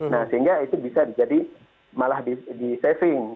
nah sehingga itu bisa jadi malah di saving